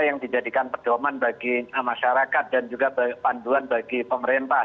yang dijadikan perdoman bagi masyarakat dan juga panduan bagi pemerintah